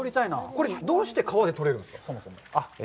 これ、どうして川で採れるんですか、そもそも。